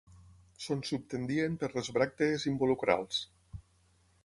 Són subtendien per les bràctees involucrals.